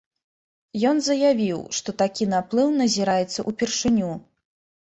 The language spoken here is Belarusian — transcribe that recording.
Ён заявіў, што такі наплыў назіраецца ўпершыню.